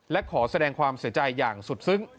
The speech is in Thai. และขอแสดงความเสียใจอย่างสุดซึ้ง